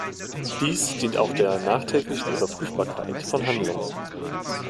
Dies dient auch der nachträglichen Überprüfbarkeit von Handlungen.